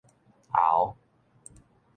喉